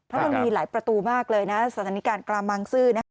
เพราะมันมีหลายประตูมากเลยนะสถานการณ์กรามบางซื่อ